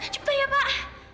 cepetan ya pak